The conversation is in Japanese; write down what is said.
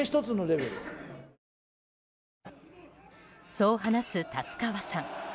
そう話す達川さん